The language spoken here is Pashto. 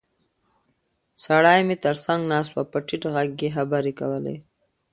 سړی مې تر څنګ ناست و او په ټیټ غږ یې خبرې کولې.